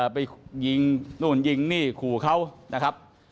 ไปยิงนู่นยิงนี่ขู่เขานะครับ